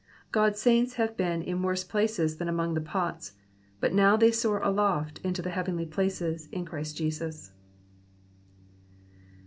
God^s saints have been in worse places than among the pots, but now they soar aloft into the heavenly places in Christ Jesus.